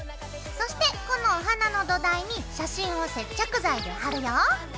そしてこのお花の土台に写真を接着剤で貼るよ。